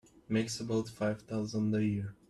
Makes about five thousand a year.